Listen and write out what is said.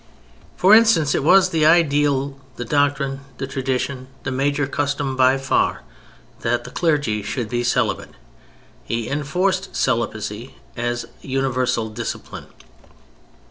For instance; it was the ideal, the doctrine, the tradition, the major custom by far, that the clergy should be celibate. He enforced celibacy as universal discipline.